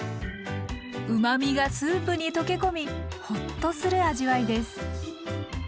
うまみがスープに溶け込みホッとする味わいです。